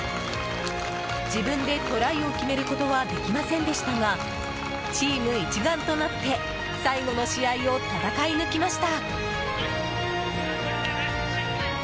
自分でトライを決めることはできませんでしたがチーム一丸となって最後の試合を戦い抜きました。